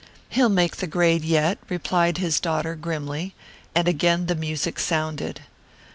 "He'll make the grade yet," replied his daughter grimly, and again the music sounded.